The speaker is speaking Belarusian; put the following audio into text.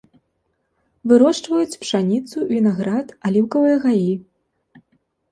Вырошчваюць пшаніцу, вінаград, аліўкавыя гаі.